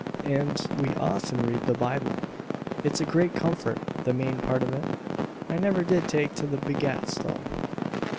And we often read the Bible. It's a great comfort, the main part of it. I never did take to the 'begats,' though."